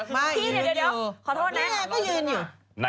พี่เดี๋ยวขอโทษนะ